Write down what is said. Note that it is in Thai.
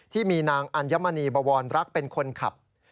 ที่มีนางอัญมณีบวรรักเป็นคนขับ